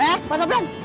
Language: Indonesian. eh pak sablan